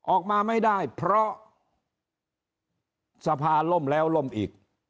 ออกมาไม่ได้เพราะสภาล่มแล้วล่มอีก